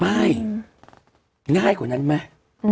ง่ายกว่านั้นไหม